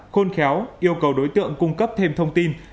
khôn khéo yêu cầu đối tượng cung cấp thêm thông tin